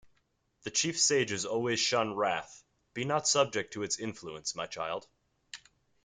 The chief sages always shun wrath: be not subject to its influence, my child.